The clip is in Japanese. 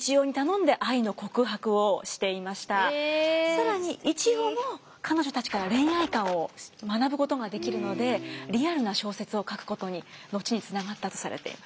更に一葉も彼女たちから恋愛観を学ぶことができるのでリアルな小説を書くことに後につながったとされています。